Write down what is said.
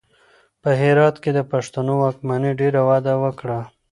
په هرات کې د پښتنو واکمنۍ ډېره وده وکړه.